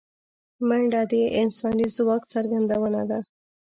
منډه د انساني ځواک څرګندونه ده